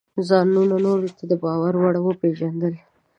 ځان نورو ته د باور وړ ورپېژندل: